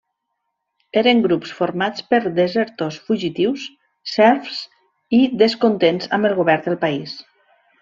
Eren grups formats per desertors fugitius, serfs i descontents amb el govern del país.